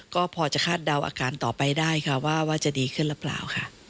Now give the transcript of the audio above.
ก็พอจะคาดเดาอาการต่อไปได้ค่ะว่าจะดีขึ้นหรือเปล่าค่ะ